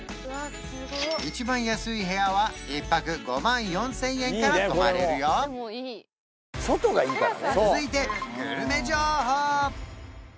一番安い部屋は１泊５万４０００円から泊まれるよ続いてグルメ情報！